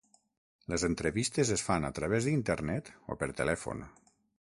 Les entrevistes es fan a través d'Internet o per telèfon.